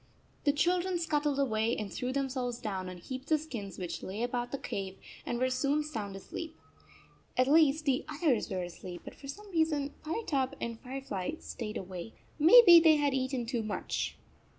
The children scuttled away and threw themselves down on heaps of skins which lay about the cave, and were soon sound asleep. At least the others were asleep, but for some reason Firetop and Firefly stayed awake. Maybe they had eaten too much.